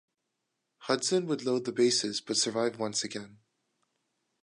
Hudson would load the bases but survive once again.